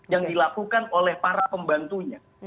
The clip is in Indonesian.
yang dilakukan oleh para pembantunya